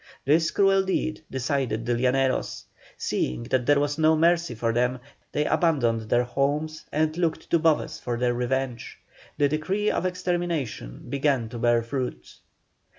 This cruel deed decided the Llaneros. Seeing that there was no mercy for them, they abandoned their homes and looked to Boves for their revenge. The decree of extermination began to bear fruit.